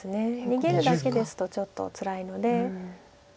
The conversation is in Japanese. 逃げるだけですとちょっとつらいので。